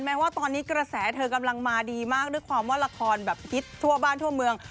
ว่าตอนนี้กระแสเธอกำลังมาดีมากด้วยความว่าละครแบบฮิตทั่วบ้านทั่วเมือง